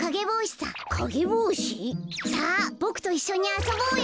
さあボクといっしょにあそぼうよ。